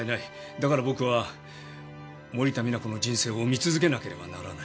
だから僕は森田実那子の人生を見続けなければならない」